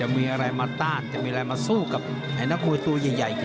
มีอะไรมาต้านมาสู้กับนักมวยตัวใหญ่